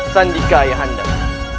berangkatlah walaupun jauh